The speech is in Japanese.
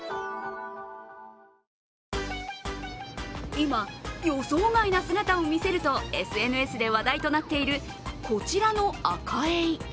今、予想外な姿を見せるとＳＮＳで話題となっているこちらのアカエイ。